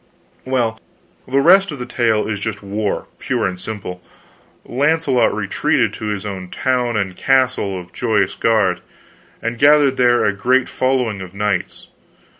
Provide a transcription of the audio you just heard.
"Well, the rest of the tale is just war, pure and simple. Launcelot retreated to his town and castle of Joyous Gard, and gathered there a great following of knights.